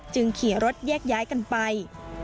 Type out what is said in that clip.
ขี่รถแยกย้ายกันไป